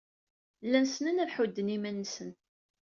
Llan ssnen ad ḥudden iman-nsen.